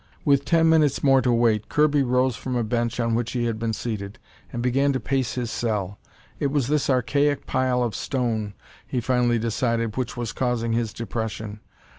With ten minutes more to wait, Kirby rose from a bench on which he had been seated, and began to pace his cell. It was this archaic pile of stone, he finally decided, which was causing his depression.